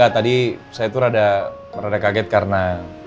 tadi saya tuh rada kaget karena